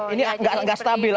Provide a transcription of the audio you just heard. ini gak stabil